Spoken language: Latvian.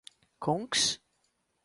Kungs?